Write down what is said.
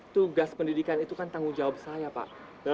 tugas pendidikan itu kan tanggung jawab saya pak